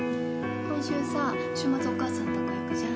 今週さ週末お母さんのとこ行くじゃん？